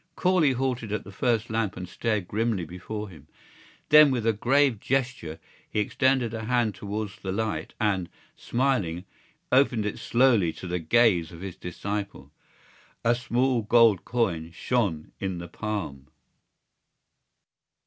Corley halted at the first lamp and stared grimly before him. Then with a grave gesture he extended a hand towards the light and, smiling, opened it slowly to the gaze of his disciple. A small gold coin shone in the palm.